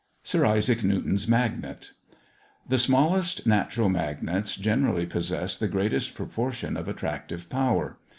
SIR ISAAC NEWTON'S MAGNET. The smallest natural Magnets generally possess the greatest proportion of attractive power.